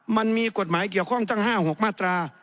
มันมีกฎหมายเกี่ยวข้องตั้ง๕๖มาตรา